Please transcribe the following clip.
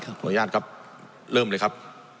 ขออนุญาตครับเริ่มเลยครับ